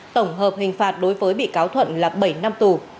tổng hợp hình phạt đối với bị cáo thuận là bảy năm tù